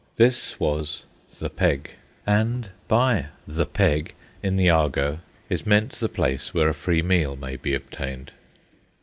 This was "the peg." And by "the peg," in the argot, is meant the place where a free meal may be obtained.